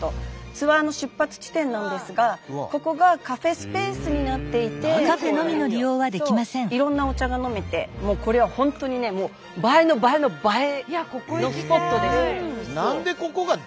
ツアーの出発地点なんですがここがカフェスペースになっていていろんなお茶が飲めてもうこれは本当にね映えの映えの映えのスポットです。